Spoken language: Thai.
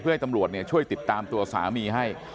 เพื่อให้ตำรวจช่วยติดตามตัวสามีให้